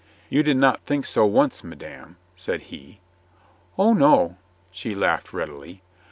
"You did not think so once, madame," said he. "Oh, no," she laughed readily.